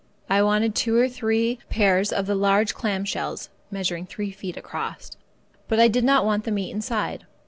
I wanted two or three pairs of the large clam shells (measuring three feet across), but I did not want the meat inside.